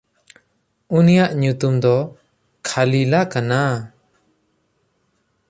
ᱩᱱᱤᱭᱟᱜ ᱧᱩᱛᱩᱢ ᱫᱚ ᱠᱷᱟᱞᱤᱞᱟ ᱠᱟᱱᱟ᱾